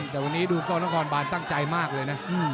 แต่วันนี้ดูกล้องนครบานตั้งใจมากเลยนะ